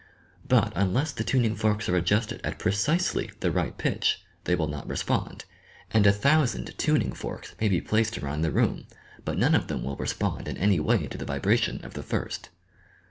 But unless the tuning forks are adjusted at precisely the right pitch, they will not respond, and a thousand tuning forks may be placed around the room but none of them will respond in any way to the vibra tion of the firat.